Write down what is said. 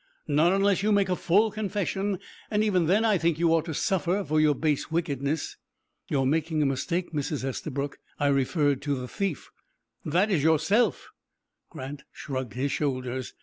"Not unless you make a full confession; and even then I think you ought to suffer for your base wickedness." "You are making a mistake, Mrs. Estabrook. I referred to the thief." "That is yourself." Grant shrugged his shoulders.